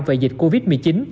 về dịch covid một mươi chín